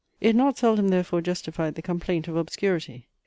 It not seldom therefore justified the complaint of obscurity.